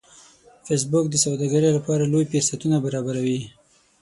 فېسبوک د سوداګرۍ لپاره لوی فرصتونه برابروي